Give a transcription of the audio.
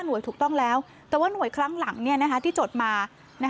หน่วยถูกต้องแล้วแต่ว่าหน่วยครั้งหลังที่จดมา